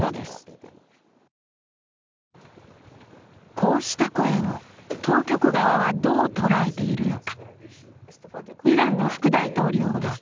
こうした声を当局側はどう捉えているのか。